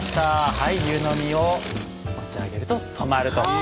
はい湯飲みを持ち上げると止まると。